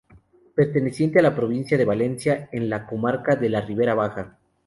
Perteneciente a la provincia de Valencia, en la comarca de la Ribera Baja.